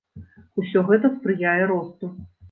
Усё гэта спрыяе росту.